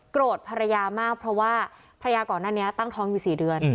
ภรรยามากเพราะว่าภรรยาก่อนหน้านี้ตั้งท้องอยู่๔เดือน